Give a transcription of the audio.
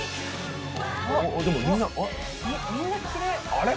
あれ？